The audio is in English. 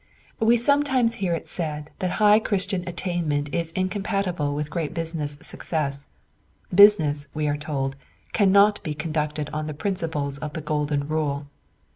We sometimes hear it said that high Christian attainment is incompatible with great business success; business, we are told, cannot be conducted on the principles of the Golden Rule.